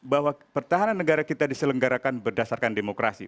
bahwa pertahanan negara kita diselenggarakan berdasarkan demokrasi